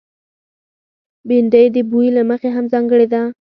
بېنډۍ د بوي له مخې هم ځانګړې ده